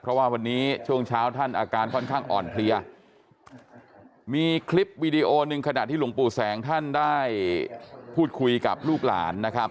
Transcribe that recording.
เพราะว่าวันนี้ช่วงเช้าท่านอาการค่อนข้างอ่อนเพลียมีคลิปวีดีโอหนึ่งขณะที่หลวงปู่แสงท่านได้พูดคุยกับลูกหลานนะครับ